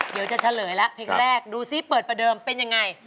เฉลยแล้วเพลงแรกดูซิเปิดประเดิมเป็นยังไง